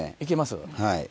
はい。